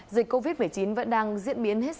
dịch covid một mươi chín vẫn đang diễn biến hết